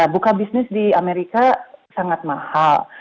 buka bisnis di amerika sangat mahal